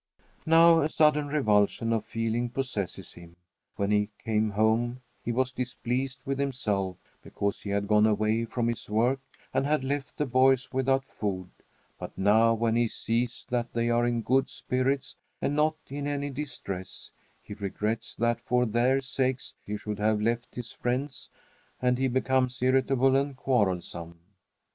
Now a sudden revulsion of feeling possesses him. When he came home, he was displeased with himself because he had gone away from his work and had left the boys without food; but now, when he sees that they are in good spirits and not in any distress, he regrets that, for their sakes, he should have left his friends; and he becomes irritable and quarrelsome.